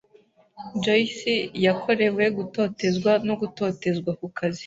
Joyci yakorewe gutotezwa no gutotezwa ku kazi.